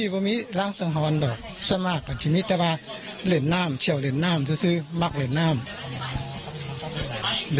ก็เล่นเราก็เลยกลับมาบ้านครับ